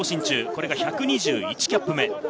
これが１２１キャップ目。